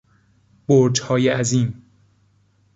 برجهای عظیم